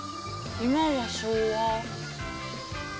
今は昭和。